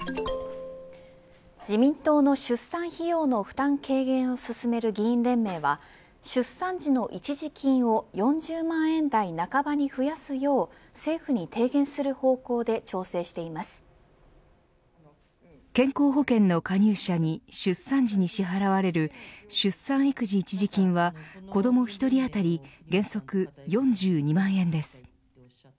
自民党の出産費用の負担軽減を進める議員連盟は出産時の一時金を４０万円台半ばに増やすよう政府に提言する方向で健康保険の加入者に出産時に支払われる出産育児一時金は子ども１人あたり原則４２万円です。